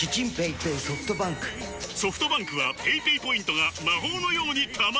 ソフトバンクはペイペイポイントが魔法のように貯まる！